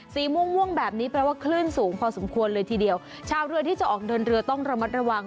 สีม่วงม่วงแบบนี้แปลว่าคลื่นสูงพอสมควรเลยทีเดียวชาวเรือที่จะออกเดินเรือต้องระมัดระวัง